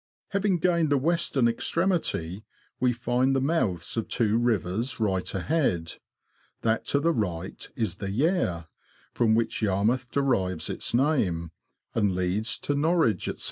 Having gained the western extremity, we find the mouths of two rivers right ahead ; that to the right is the Yare, from which Yarmouth derives its name, and leads to Norwich, &c.